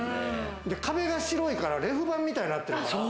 壁が白いからレフ板みたいになってる。